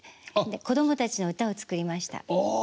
子供たちの歌を作りました。